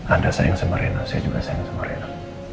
anda menyayangi rena saya juga menyayangi rena